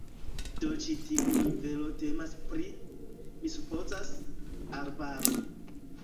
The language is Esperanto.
Do ĉi tiu nivelo temas pri, mi supozas, arbaro.